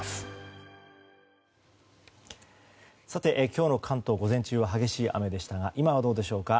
今日の関東、午前中は激しい雨でしたが今はどうでしょうか。